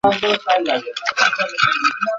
রাজিয়ার সাথে দেখার করার নেই।